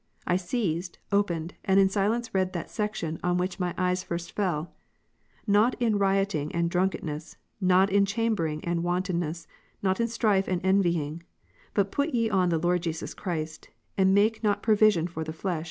I seized, opened, and in silence read that section, on which my eyes first fell : Not in Rom. rioting and drunkenness, not in chambering and ivantonness, \^'^^* not in strife and envying : but put ye on the Lord Jesus Christ, and make not provision for theflesh, mcox\c\x\)\scer\Qe.